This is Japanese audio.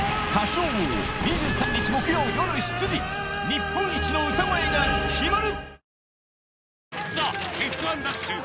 日本一の歌声が決まる！